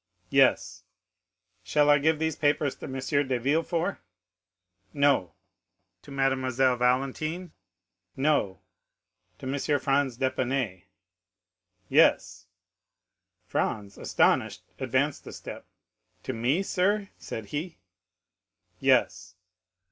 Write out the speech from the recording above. "Yes." "Shall I give these papers to M. de Villefort?" "No." "To Mademoiselle Valentine?" "No." "To M. Franz d'Épinay?" "Yes." Franz, astonished, advanced a step. "To me, sir?" said he. "Yes."